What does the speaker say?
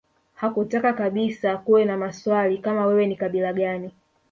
Hakutaka kabisa kuwe na maswali kama wewe ni kabila gani